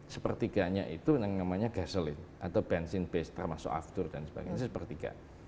sepertiganya itu yang namanya gasoline atau benzine base termasuk after dan sebagainya itu sepertiga